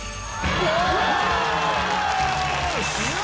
よし！